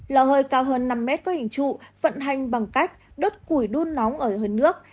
lò hơi cao hơn năm mét có hình trụ vận hành bằng cách đốt củi đun nóng ở hơn nước